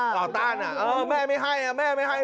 ต้านแม่ไม่ให้แม่ไม่ให้